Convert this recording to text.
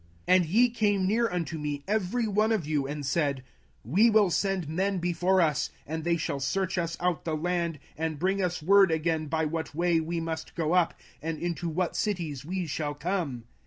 05:001:022 And ye came near unto me every one of you, and said, We will send men before us, and they shall search us out the land, and bring us word again by what way we must go up, and into what cities we shall come.